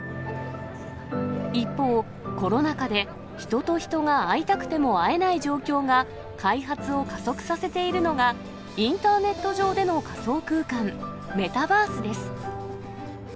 一方、コロナ禍で人と人が会いたくても会えない状況が開発を加速させているのが、インターネット上での仮想空間、メタバースです。